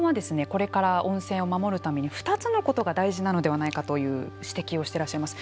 これから温泉を守るために２つのことが大事なのではないかという指摘をしていらっしゃいます。